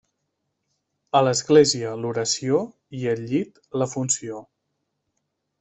A l'església l'oració i al llit la funció.